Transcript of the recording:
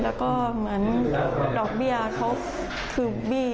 และก็เหมือนดอกเบี้ยเขาคือบี